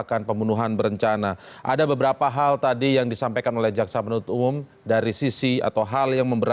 karena sudah cukup